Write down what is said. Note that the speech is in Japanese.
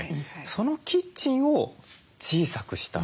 そのキッチンを小さくした。